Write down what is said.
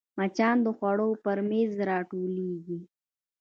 مچان د خوړو پر میز راټولېږي